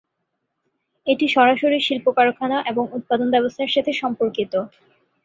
এটি সরাসরি শিল্প কারখানা এবং উৎপাদন ব্যবস্থাপনার সাথে সম্পর্কিত।